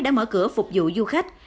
đã mở cửa phục vụ du khách